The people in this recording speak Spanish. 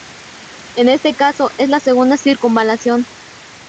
En este caso, es la segunda circunvalación.